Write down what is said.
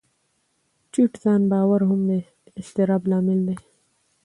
ټیټ ځان باور هم د اضطراب لامل دی.